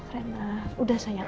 rena udah sayang